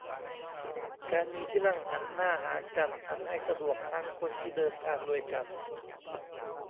การมีที่นั่งหันหน้าหากันทำให้สะดวกทั้งคนที่เดินทางด้วยกัน